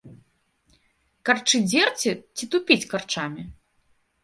Карчы дзерці ці тупіць карчамі?